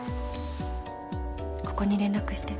ここに連絡して